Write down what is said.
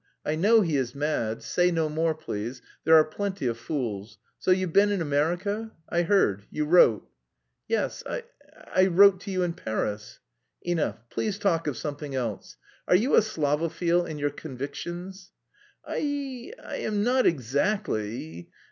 "I know he is mad; say no more, please; there are plenty of fools. So you've been in America? I heard, you wrote." "Yes, I... I wrote to you in Paris." "Enough, please talk of something else. Are you a Slavophil in your convictions?" "I... I am not exactly....